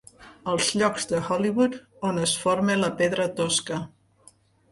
Els llocs de Hollywood on es forma la pedra tosca.